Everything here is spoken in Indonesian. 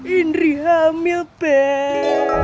indri hamil beb